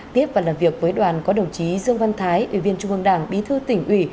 tiếp và làm việc với đoàn có đồng chí dương văn thái ủy viên trung ương đảng bí thư tỉnh ủy